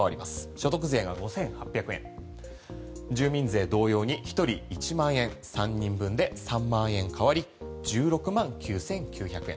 所得税が５８００円住民税、同様に１人１万円３人分で３万円変わり１６万９９００円。